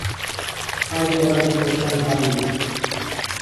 Ajo abi khoshan hawimi